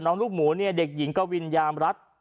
น้องลูกหมูเนี่ยเด็กหญิงก็วิญญามรัฐ